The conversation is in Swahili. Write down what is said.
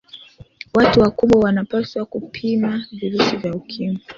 watu wakubwa wanapaswa kupima virusi vya ukimwi